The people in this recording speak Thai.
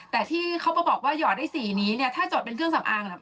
แต่ที่เขาบอกว่ายอดได้สีนี้ถ้าจดเป็นเครื่องสำอาง